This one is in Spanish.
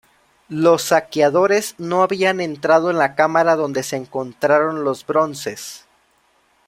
Los saqueadores no habían entrado en la cámara donde se encontraron los bronces.